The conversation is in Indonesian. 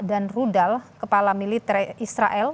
dan rudal kepala militer israel